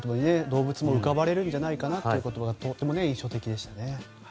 動物も浮かばれるんじゃないかという言葉が印象的でした。